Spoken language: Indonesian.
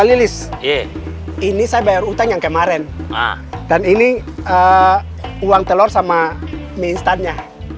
lilis ini saya bayar utang yang kemarin dan ini uang telur sama mie instannya